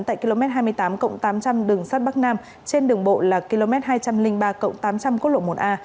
tại km hai mươi tám tám trăm linh đường sắt bắc nam trên đường bộ là km hai trăm linh ba tám trăm linh quốc lộ một a